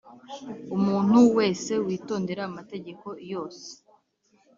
umuntu wese witondera amategeko yose